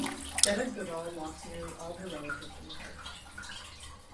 Jetta Goudal lost nearly all her relatives in the holocaust.